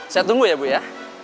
saya tunggu ya bu ya